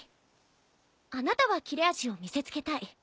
あなたは切れ味を見せつけたい。